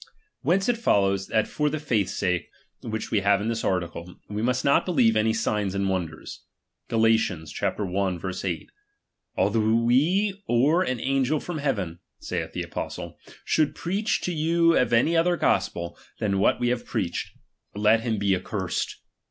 Whence it follows, that for the faith's sake which we have in this article, we must not believe any signs and wonders. Gal. i, 8 : Although ice or an angel from heaven, saith the apostle, should preach to you any other gospel, than what we have preached ; let him be accursed.